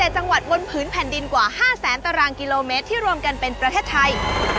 ๗จังหวัดบนผืนแผ่นดินกว่า๕แสนตารางกิโลเมตรที่รวมกันเป็นประเทศไทย